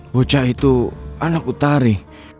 bocah itu anak utari